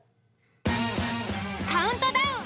カウントダウン